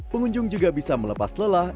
pengunjung juga bisa melepas lelah